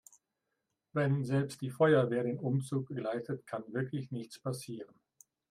Wenn selbst die Feuerwehr den Umzug begleitet, kann wirklich nichts passieren.